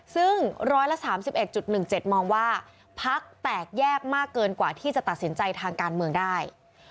ซึ่ง๑๓๑๑๗มองว่าพักแตกแยกมากเกินกว่าที่จะตัดสินใจทางการเมืองได้